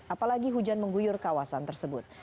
apalagi hujan mengguyur kawasan tersebut